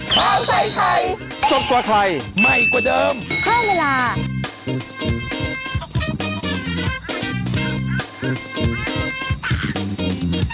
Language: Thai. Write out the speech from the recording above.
ข้าวไทยไทยสดกว่าไทยใหม่กว่าเดิมข้าวเวลา